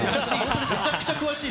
めちゃくちゃ詳しいな。